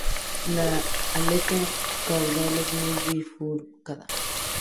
La aleta caudal es muy bifurcada.